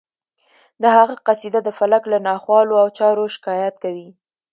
د هغه قصیده د فلک له ناخوالو او چارو شکایت کوي